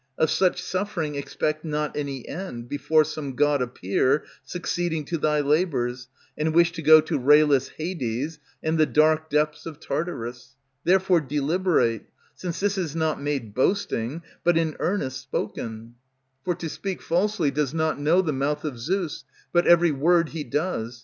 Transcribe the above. Of such suffering expect not any end, Before some god appear Succeeding to thy labors, and wish to go to rayless Hades, and the dark depths of Tartarus. Therefore deliberate; since this is not made Boasting, but in earnest spoken; For to speak falsely does not know the mouth Of Zeus, but every word he does.